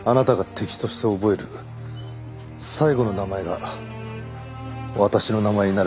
あなたが敵として覚える最後の名前が私の名前になるわけですから。